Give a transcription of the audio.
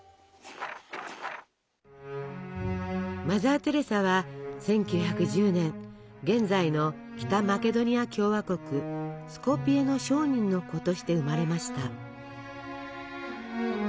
マザー・テレサは１９１０年現在の北マケドニア共和国スコピエの商人の子として生まれました。